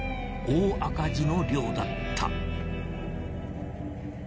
大赤字の漁だった。